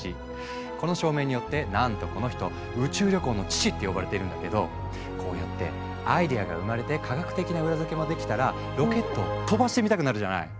この証明によってなんとこの人「宇宙旅行の父」って呼ばれているんだけどこうやってアイデアが生まれて科学的な裏付けもできたらロケットを飛ばしてみたくなるじゃない？